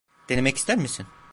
Denemek ister misin?